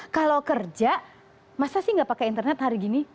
kalau kerja masa sih tidak pakai internet hari ini